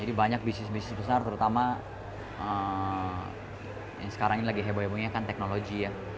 jadi banyak bisnis bisnis besar terutama yang sekarang lagi heboh hebohnya kan teknologi ya